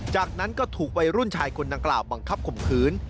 จากนั้นก็ถูกวัยรุ่นชายคนดังกล่าวบังคับข่มขืน